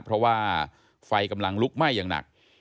เพราะว่าไฟกำลังลุกไหม้อย่างหนัก